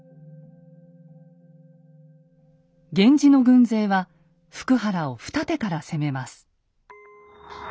源氏の軍勢は福原を二手から攻めます。